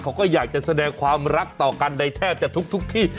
เขาก็อยากจะแสดงความรักต่อกันในแทบจะทุกที่